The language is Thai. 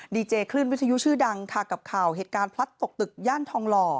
ดีเจคลื่นวิทยุชื่อดังค่ะกับข่าวเหตุการณ์พลัดตกตึกย่านทองหล่อ